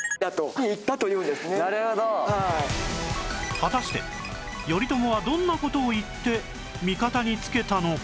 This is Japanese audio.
果たして頼朝はどんな事を言って味方につけたのか？